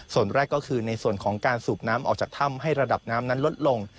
ส่วนแรกก็คือในส่วนของการสูบน้ำออกจากถ้ำให้ระดับน้ำนั้นลดลง